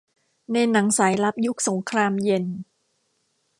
ในหนังสายลับยุคสงครามเย็น